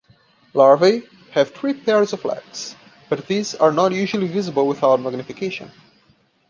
Larvae have three pairs of legs, but these are not usually visible without magnification.